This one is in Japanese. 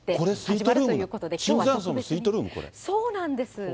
そうなんです。